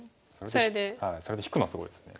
それで引くのがすごいですね。